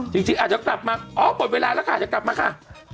จริงอาจจะกลับมาอ๋อหมดเวลาแล้วค่ะจะกลับมาค่ะ